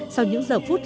sau những giờ phút